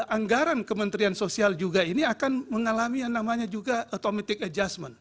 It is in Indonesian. anggaran kementerian sosial juga ini akan mengalami yang namanya juga automatic adjustment